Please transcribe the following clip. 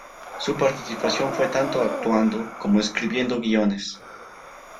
Su participación fue tanto actuando, como escribiendo guiones.